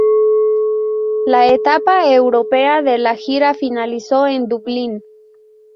La etapa europea de la gira finalizó en Dublín.